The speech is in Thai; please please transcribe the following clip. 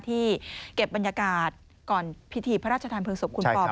ที่เก็บบรรยากาศก่อนพิธีพระราชทานเพลิงศพคุณปอม